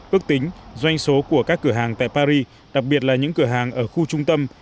ước tính doanh số của các cửa hàng tại paris đặc biệt là những cửa hàng ở khu trung tâm